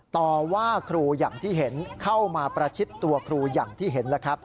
ต่อว่าครูอย่างที่เห็นเข้ามาประชิดตัวครูอย่างที่เห็นแล้วครับ